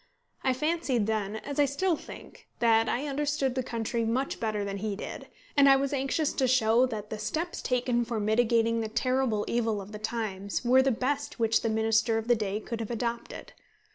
I fancied then as I still think that I understood the country much better than he did; and I was anxious to show that the steps taken for mitigating the terrible evil of the times were the best which the Minister of the day could have adopted.